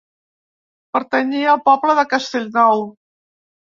Pertanyia al poble de Castellnou.